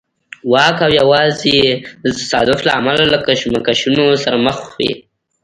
واک او یوازې د تصادف له امله له کشمکشونو سره مخ وي.